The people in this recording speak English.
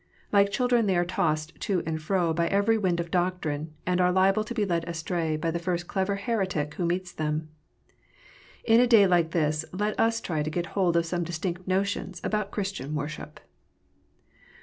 Like children, they are tossed to and fro by every wind of doctrine, and are liable to be led astray by the first clever heretic who meets them. In a day like this let us try to get hold of some distinct notions about Christian worship.